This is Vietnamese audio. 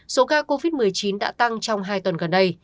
số ca covid một mươi chín đã tăng trong hai tuần gần đây